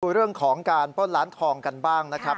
เรื่องของการปล้นล้านทองกันบ้างนะครับ